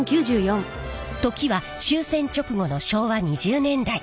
時は終戦直後の昭和２０年代。